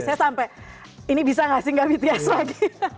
saya sampai ini bisa gak sih gak bts lagi